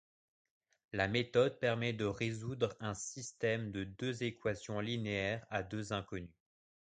La méthode permet de résoudre un système de deux équations linéaires à deux inconnues.